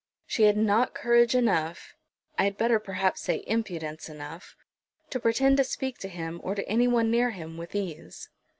She had not courage enough, I had better perhaps say impudence enough, to pretend to speak to him or to anyone near him with ease.